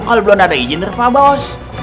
kalau belum ada izin dari pak bos